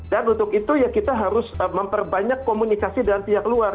dan untuk itu kita harus memperbanyak komunikasi dengan pihak luar